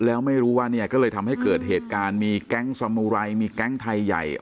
แล้วไม่รู้ว่าเนี่ยก็เลยทำให้เกิดเหตุการณ์มีแก๊งสมูไรมีแก๊งไทยใหญ่